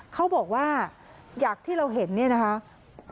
เค้าบอกว่าอยากที่เราเห็นนี่นะครับ